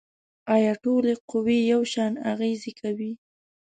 آیا ټولې قوې یو شان اغیزې کوي؟